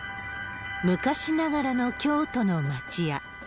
昔ながらの京都の町家。